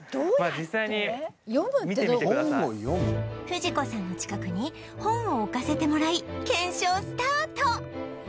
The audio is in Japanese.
フジコさんの近くに本を置かせてもらい検証スタート